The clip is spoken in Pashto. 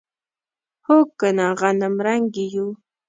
هو کنه غنمرنګي یو.